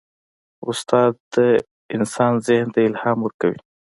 استاد د انسان ذهن ته الهام ورکوي.